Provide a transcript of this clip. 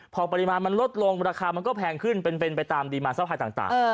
พอปริมาณมันลดลงราคามันก็แพงขึ้นเป็นไปตามดีมารภัยต่าง